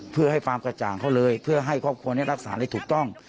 เพื่อให้ความกระจ่างเขาเลยเพื่อให้ครอบครัวนี้รักษาได้ถูกต้อง